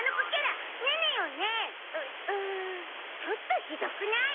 ちょっとひどくない？